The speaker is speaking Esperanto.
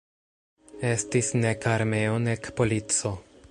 Estis nek armeo nek polico.